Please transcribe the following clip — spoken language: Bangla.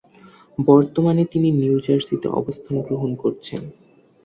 বর্তমানে তিনি নিউ জার্সিতে অবস্থান গ্রহণ করছেন।